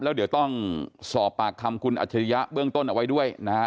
แล้วเดี๋ยวต้องสอบปากคำคุณอัจฉริยะเบื้องต้นเอาไว้ด้วยนะฮะ